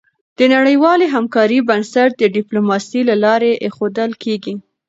د نړیوالې همکارۍ بنسټ د ډيپلوماسی له لارې ایښودل کېږي.